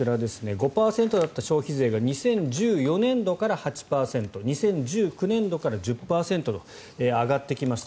５％だった消費税が２０１４年度から８％２０１９年度から１０％と上がってきました。